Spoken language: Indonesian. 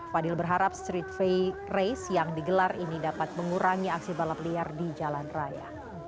fadil berharap street race yang digelar ini dapat mengurangi aksi balap liar di jalan raya